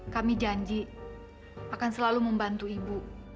kami janji akan selalu membantu ibu